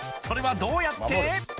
それはどうやって？